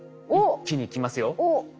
一気にきますよ。